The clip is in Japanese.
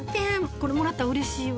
これもらったらうれしいわ。